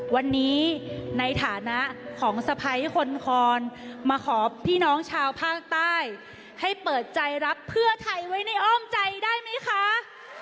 วันนี้ในฐานะของสะพ้ายคนคอนมาขอพี่น้องชาวภาคใต้ให้เปิดใจรับเพื่อไทยไว้ในอ้อมใจได้ไหมคะ